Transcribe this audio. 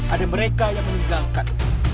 ada mereka yang meninggalkan